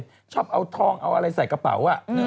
ชอบเอาทองเอาอะไรใส่กระเป๋า